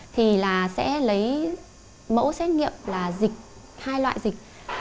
thì là sẽ lấy mẫu xét nghiệm là dịch hai loại dịch